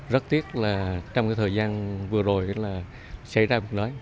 rất tiếc là trong thời gian vừa rồi là xảy ra bụng lắm